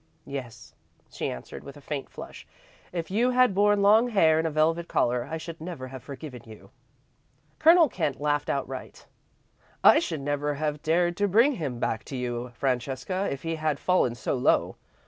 "Yes," she answered with a faint flush. "If you had worn long hair and a velvet collar, I should never have forgiven you." Colonel Kent laughed outright. "I should never have dared to bring him back to you, Francesca, if he had fallen so low.